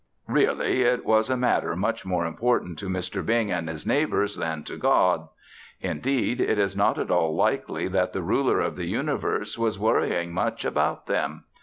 Really, it was a matter much more important to Mr. Bing and his neighbors than to God. Indeed, it is not at all likely that the ruler of the universe was worrying much about them.